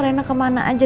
rena kemana aja